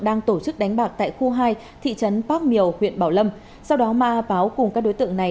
đang tổ chức đánh bạc tại khu hai thị trấn park mieu huyện bảo lâm sau đó ma a páo cùng các đối tượng này